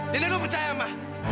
dan edo percaya ma